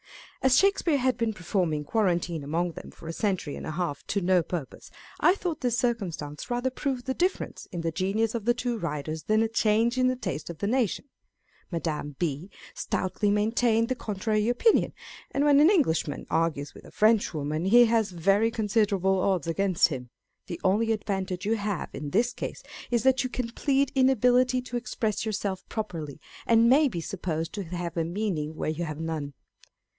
As Shakespeare had been performing quarantine among them for a century and a half to no purpose, I thought this circumstance rather proved the difference in the genius of the two writers than a change in the taste of the nation. Madame B. stoutly maintained the contrary opinion : and when an Englishman argues with a Frenchwoman, he has very considerable odds against him. The only advantage you have in this case is that you can plead inability to express yourself pro perly, and may be supposed to have a meaning where you have none.